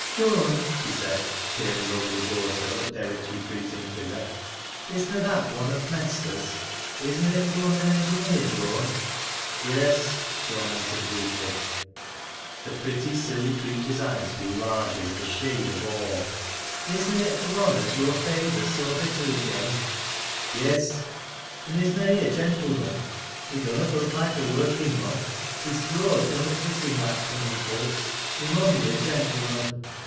" Joan," she said, peering over the door sill at Derrick'? retreating figure, " is na that one o' th' mesters ? Is na it the Lunnon engineer, Joan ?"" Yes," Joan answered briefly. The pretty, silly creature's eyes grew larger, with t (hade of awe. THE OPEN 'DAVT." lO? " Is na it th' oue as yore fejther's so bitter agen ?" "Yes." " An' is na he a gentleman ? He dunnot look loike a workin' mon. His cloas dunnot fit him loike common foakes. He mun be a gentleman."